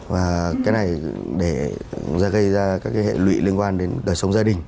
và cái này để gây ra các hệ lụy liên quan đến đời sống gia đình